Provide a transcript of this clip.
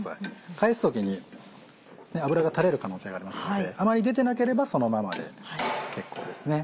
返す時に油が垂れる可能性がありますのであまり出てなければそのままで結構ですね。